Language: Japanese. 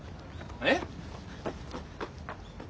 えっ？